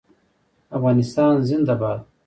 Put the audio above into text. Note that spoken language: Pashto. افغانستان زنده باد.